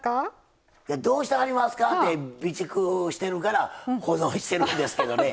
いやどうしてはりますかって備蓄してるから保存してるんですけどね。